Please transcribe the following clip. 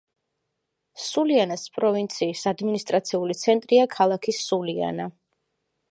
სულიანას პროვინციის ადმინისტრაციული ცენტრია ქალაქი სულიანა.